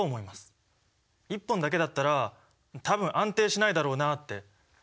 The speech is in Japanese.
１本だけだったら多分安定しないだろうなって。